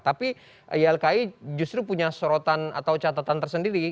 tapi ylki justru punya sorotan atau catatan tersendiri